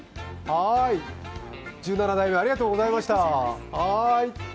１７代目ありがとうございました。